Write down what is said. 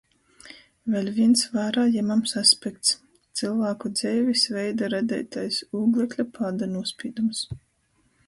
Vēļ vīns vārā jemams aspekts. Cylvāku dzeivis veida radeitais ūglekļa pāda nūspīdums.